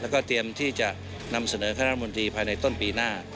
แล้วก็เตรียมที่จะนำเสนอคณะมนตรีภายในต้นปีหน้า